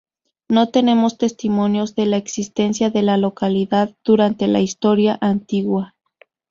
No tenemos testimonios de la existencia de la localidad durante la Historia Antigua.